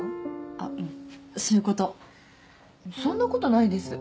あっうんそういうことそんなことないです